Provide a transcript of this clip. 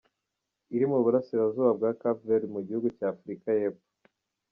Iri mu burasirazuba bwa Cap vert mu gihugu cya Afurika y’ Epfo.